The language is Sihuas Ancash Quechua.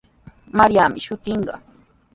Mariami shutinqa.